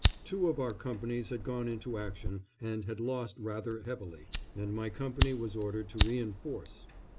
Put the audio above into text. Two of our companies had gone into action and had lost rather heavily, and my company was ordered to reinforce.